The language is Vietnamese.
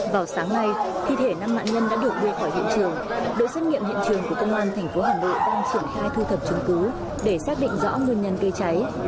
vào sáng nay thi thể năm nạn nhân đã được đưa khỏi hiện trường đội xét nghiệm hiện trường của công an tp hà nội đang triển khai thu thập chứng cứ để xác định rõ nguyên nhân gây cháy